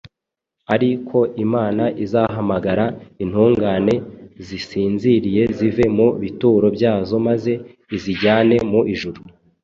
ari ko Imana izahamagara intungane zisinziriye zive mu bituro byazo maze izijyane mu ijuru.